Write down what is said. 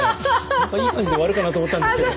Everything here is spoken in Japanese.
何かいい感じで終わるかなと思ったんですけど。